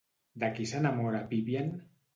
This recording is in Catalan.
De qui s'enamora Vivian?